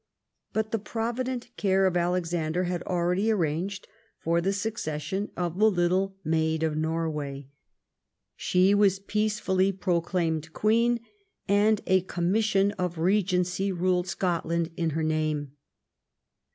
But the provident care of Alexander had already arranged for the succession of the little Maid of Norway. She was peacefully pro claimed queen, and a commission of regency ruled Scot land in her name.